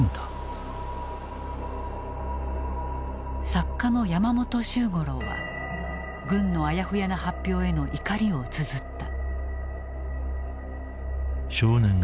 作家の山本周五郎は軍のあやふやな発表への怒りをつづった。